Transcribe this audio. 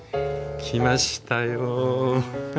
来ましたよ。